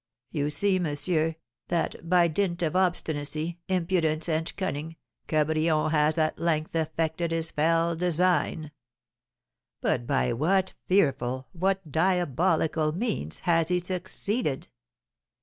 You see, monsieur, that, by dint of obstinacy, impudence, and cunning, Cabrion has at length effected his fell design. But by what fearful, what diabolical means, has he succeeded!